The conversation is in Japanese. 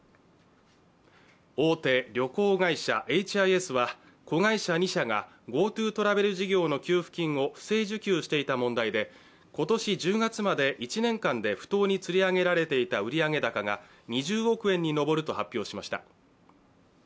大手旅行会社エイチ・アイ・エスは子会社２社がＧｏＴｏトラベル事業の給付金を不正受給していた問題で、今年１０月まで１年間で不当につり上げられていた売上高が２０億円に上ると発表しました。